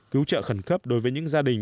cứu trợ khẩn cấp đối với những gia đình